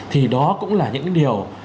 thì đó cũng là những điều